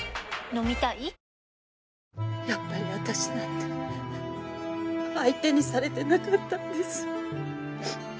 やっぱりあたしなんて相手にされてなかったんです。